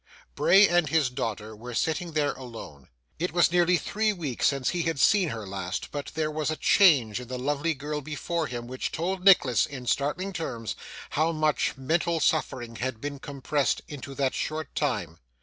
Bray and his daughter were sitting there alone. It was nearly three weeks since he had seen her last, but there was a change in the lovely girl before him which told Nicholas, in startling terms, how much mental suffering had been compressed into that short time.